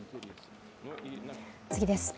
次です。